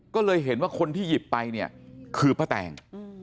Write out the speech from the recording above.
ก็เลยเห็นว่าคนที่หยิบไปเนี่ยคือป้าแตง